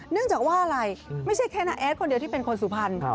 เนื่องจากว่าอะไรไม่ใช่แค่น้าแอดคนเดียวที่เป็นคนสุพรรณ